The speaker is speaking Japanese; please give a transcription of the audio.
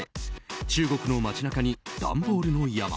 中国の街中に段ボールの山。